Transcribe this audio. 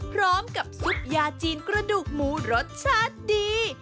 พร้อมกับซุปยาจีนกระดูกหมูรสชาติดี